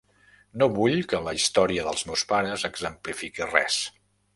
No vull que la història dels meus pares exemplifiqui res.